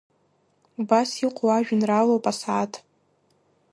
Убас иҟоу ажәеинраалоуп Асааҭ.